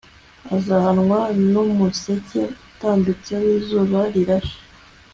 azahwana n'umuseke utambitse w'izuba rirashe